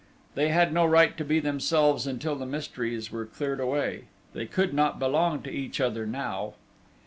They had no right to be themselves until the mysteries were cleared away.... They could not belong to each other now!